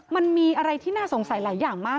มันมีอะไรที่น่าสงสัยหลายอย่างมาก